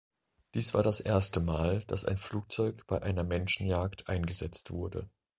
Dies war das erste Mal, dass ein Flugzeug bei einer Menschenjagd eingesetzt wurde.